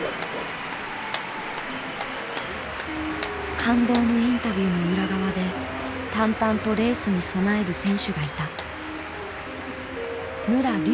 感動のインタビューの裏側で淡々とレースに備える選手がいた。